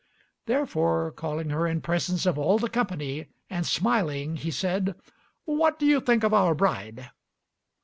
Therefore, calling her in presence of all the company, and smiling, he said, "What do you think of our bride?"